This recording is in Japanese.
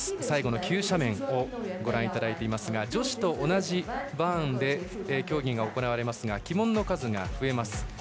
最後の急斜面をご覧いただいていますが女子と同じバーンで競技が行われますが旗門の数が増えます。